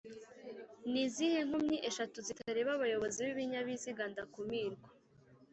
nizihe nkomyi eshatu zitareba abayobozi b’ibinyabiziga ndakumirwa